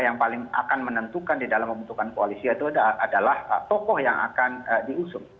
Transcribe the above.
yang paling akan menentukan di dalam pembentukan koalisi itu adalah tokoh yang akan diusung